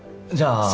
じゃあ。